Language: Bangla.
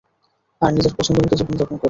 আর নিজের পছন্দ মত জীবনযাপন করি।